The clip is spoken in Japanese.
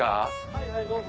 はいはいどうぞ。